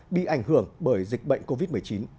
bị ảnh hưởng bởi dịch bệnh covid một mươi chín